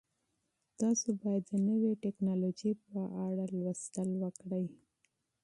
تاسو باید د نوې تکنالوژۍ په اړه مطالعه وکړئ.